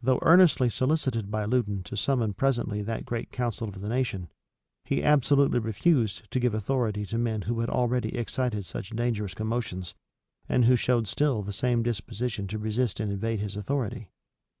Though earnestly solicited by Loudon to summon presently that great council of the nation, he absolutely refused to give authority to men who had already excited such dangerous commotions, and who showed still the same disposition to resist and invade his authority.